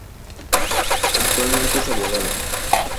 Actualmente es abogada.